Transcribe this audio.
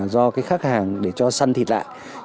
do khách hàng để cho săn thịt lại